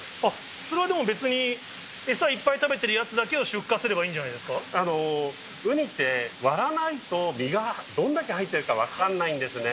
それはでも別に餌いっぱい食べてるウニだけを出荷すればいいウニって割らないと、身がどんだけ入ってるか分かんないですね。